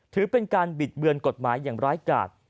ถือเป็นการบิดเบือนกฎหมายอย่างร้ายกาด